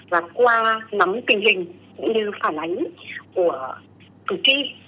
và qua nắm tình hình cũng như phản ánh của cử tri